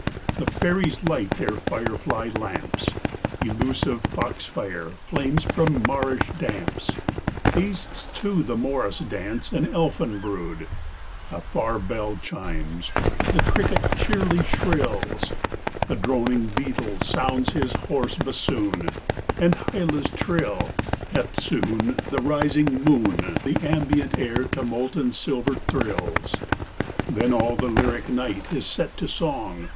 the faeries light their firefly lamps, Elusive foxfire flames from marish damps; Hastes to the morris dance an elfin brood; A far bell chimes, the cricket cheerly shrills, The droning beetle sounds his hoarse bassoon And hylas trill; eftsoon the rising moon The ambient air to molten silver thrills. Then all the lyric night is set to song!